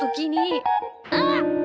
あっ！